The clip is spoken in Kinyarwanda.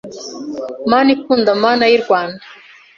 Mana ikunda Mana y' i Rwanda